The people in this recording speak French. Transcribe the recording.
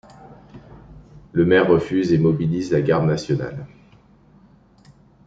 Le maire refuse et mobilise la garde nationale.